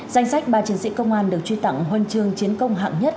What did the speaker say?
danh sách ba chiến sĩ công an được truy tặng huân chương chiến công hạng nhất